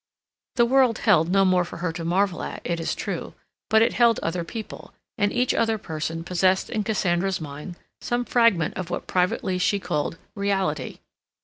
The world held no more for her to marvel at, it is true; but it held other people; and each other person possessed in Cassandra's mind some fragment of what privately she called "reality."